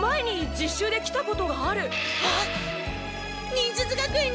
忍術学園に。